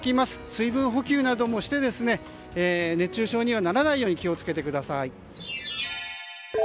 水分補給などもして熱中症にはならないように気をつけてください。